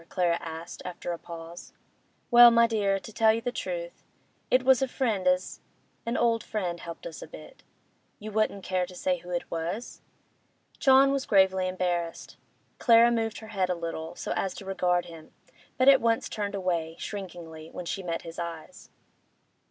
Clara asked, after a pause. 'Well, my dear, to tell you the truth—it was a friend as—an old friend helped us a bit.' 'You wouldn't care to say who it was?' John was gravely embarrassed. Clara moved her head a little, so as to regard him, but at once turned away, shrinkingly, when she met his eyes.